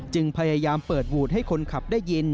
พยายามเปิดวูดให้คนขับได้ยิน